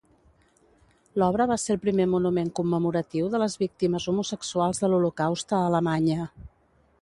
L'obra va ser el primer monument commemoratiu de les víctimes homosexuals de l'holocaust a Alemanya.